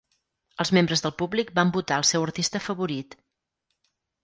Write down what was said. Els membres del públic van votar el seu artista favorit.